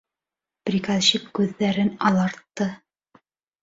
Приказчик күҙҙәрен алартты: